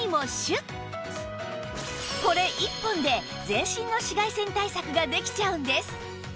これ１本で全身の紫外線対策ができちゃうんです